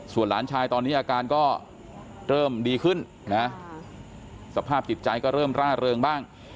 ส่วนหลานชายตอนนี้อาการก็เริ่มดีขึ้นนะสภาพจิตใจก็เริ่มร่าเริงบ้าง